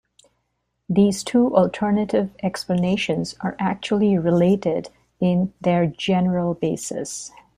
These two alternative explanations are actually related in their general basis.